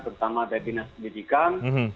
terutama dari dinas kebijikan